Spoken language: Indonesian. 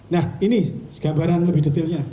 nah ini gambaran lebih detailnya